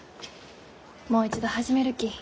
もう一度始めるき。